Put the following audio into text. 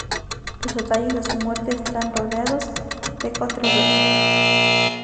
Los detalles de su muerte están rodeados de controversia.